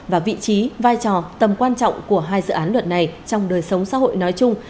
và vị trí vai trò tầm quan trọng của hai dự án luật này trong đời sống xã hội nói chung